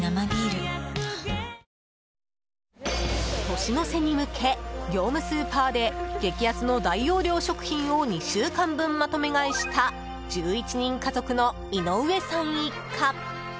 年の瀬に向け、業務スーパーで激安の大容量食品を２週間分まとめ買いした１１人家族の井上さん一家。